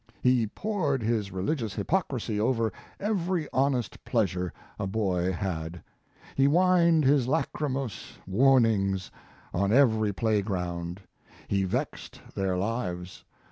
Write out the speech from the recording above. He poured his religious hypocrisy over every honest pleasure a boy had. He whined his lachrymose warnings on every play ground. He vexed their lives.